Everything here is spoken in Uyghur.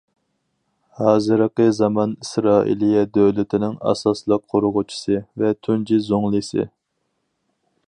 ھازىرقى زامان ئىسرائىلىيە دۆلىتىنىڭ ئاساسلىق قۇرغۇچىسى ۋە تۇنجى زۇڭلىسى.